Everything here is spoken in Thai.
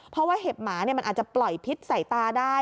เพราะว่าเห็บหมามันอาจจะปล่อยพิษใส่ตาได้